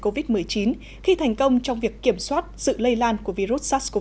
covid một mươi chín khi thành công trong việc kiểm soát sự lây lan của virus sars cov hai